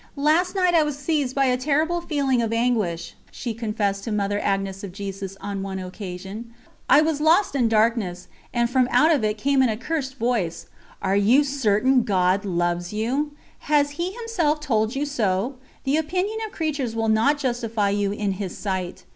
"Last night I was seized with a terrible feeling of anguish," she confessed to Mother Agnes of Jesus on one occasion; "I was lost in darkness, and from out of it came an accursed voice: 'Are you certain God loves you? Has He Himself told you so? The opinion of creatures will not justify you in His sight.'